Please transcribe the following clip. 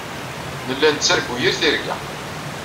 Nella nettargu yir tirga.